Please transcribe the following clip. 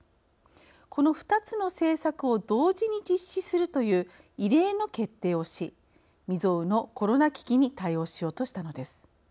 この２つの政策を同時に実施するという異例の決定をし未曽有のコロナ危機に対応しようとしたのです。